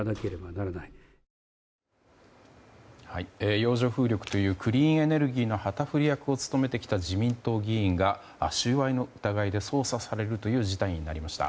洋上風力というクリーンエネルギーの旗振り役を務めてきた自民党議員が収賄の疑いで捜査されるという事態になりました。